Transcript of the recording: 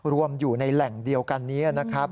รวมอยู่ในแหล่งเดียวกันนี้นะครับ